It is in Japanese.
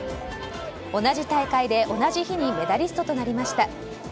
同じ大会で、同じ日にメダリストとなりました。